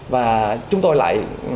và chúng tôi lại